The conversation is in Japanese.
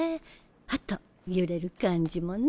あと揺れる感じもね。